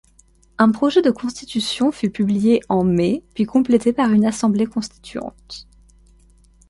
Un projet de constitution fut publié en mai puis complétée par une assemblée constituante.